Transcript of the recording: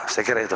saya kira itu